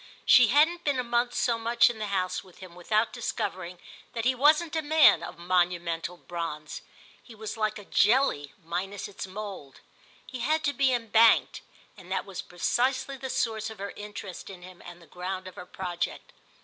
She hadn't been a month so much in the house with him without discovering that he wasn't a man of monumental bronze. He was like a jelly minus its mould, he had to be embanked; and that was precisely the source of her interest in him and the ground of her project.